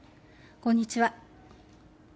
こんにちは。